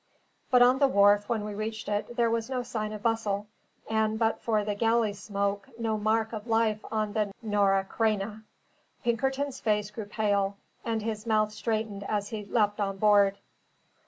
But on the wharf, when we reached it, there was no sign of bustle, and, but for the galley smoke, no mark of life on the Norah Creina. Pinkerton's face grew pale, and his mouth straightened, as he leaped on board.